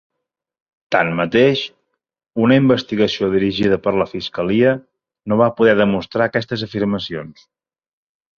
Tanmateix, una investigació dirigida per la Fiscalia no va poder demostrar aquestes afirmacions.